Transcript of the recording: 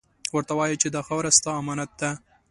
ورته ووایه چې دا خاوره ، ستا امانت ده.